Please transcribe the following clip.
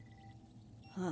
ああ。